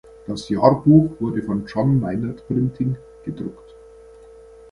Das Jahrbuch wurde von "John Meinert Printing" gedruckt.